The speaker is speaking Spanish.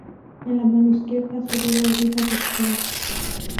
En la mano izquierda se ve la herida del clavo.